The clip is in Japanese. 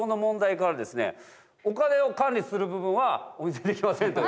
お金を管理する部分はお見せできませんということで。